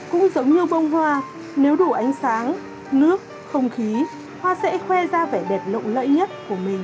cũng giống như bông hoa nếu đủ ánh sáng nước không khí hoa sẽ khoe ra vẻ đẹp lộng lẫy nhất của mình